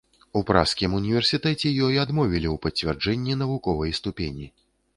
У пражскім універсітэце ёй адмовілі у пацвярджэнні навуковай ступені.